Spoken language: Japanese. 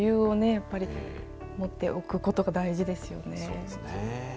やっぱり、持っておくことが、そうですね。